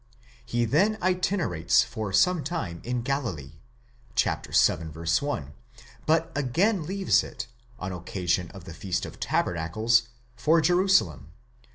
He then itinerates for some time in Galilee (vii. 1), but again leaves it, on occasion of the feast of tabernacles, for Jerusalem (v.